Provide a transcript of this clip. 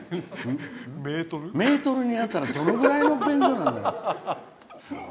メートルになったらどのぐらいの便所なんだよ。